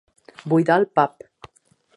Buidar el pap.